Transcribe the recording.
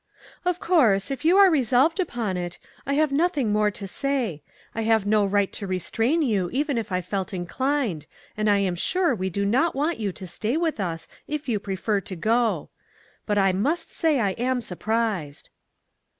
" Of course, if you are resolved upon it, I have nothing more to say. I . have no right to restrain you, even if I felt inclined, and I am sure we do not want you to stay with us, if you prefer to go ; but I must say I am surprised."